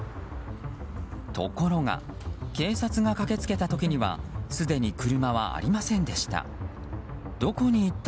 ところが警察が駆けつけた時にはすでに車はありませんでした。